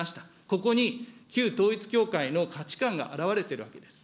ここに旧統一教会の価値観が表れているわけです。